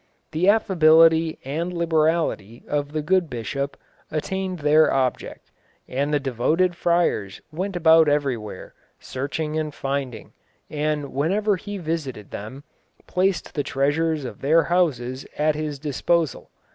The affability and liberality of the good bishop attained their object, and the devoted friars went about everywhere, searching and finding, and whenever he visited them, placed the treasures of their houses at his disposal.